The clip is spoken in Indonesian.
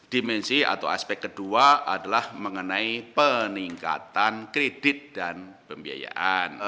dimensi atau aspek kedua adalah mengenai peningkatan kredit dan pembiayaan